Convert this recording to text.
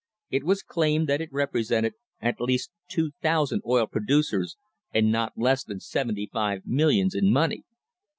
It was claimed that it represented at least 2,000 oil producers, and not less than seventy five millions in money.